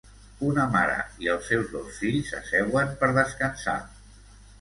Una mare i els seus dos fills s'asseuen per descansar.